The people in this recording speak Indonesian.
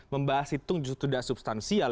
membahas itu tidak substansial